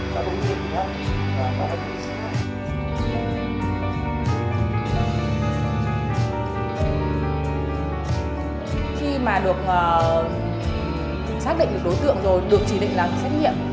khi mà được xác định được đối tượng rồi được chỉ định làm xét nghiệm